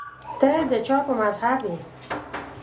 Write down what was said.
ته د چا په مذهب یې